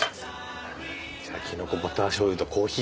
じゃあきのこバターしょうゆとコーヒー。